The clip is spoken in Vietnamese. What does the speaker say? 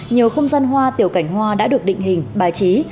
nhiều không gian hoa tiểu cảnh hoa đã được định hình bài trí